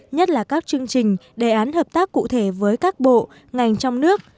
nhất là các chương trình đề án hợp tác cụ thể với các bộ ngành trong nước